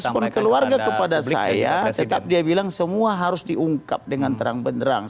respon keluarga kepada saya tetap dia bilang semua harus diungkap dengan terang benerang